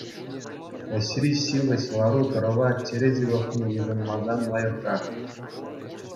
Ӗҫри ҫивӗч лару-тӑрӑва чӗре ҫывӑхне йышӑнмасан лайӑхрах.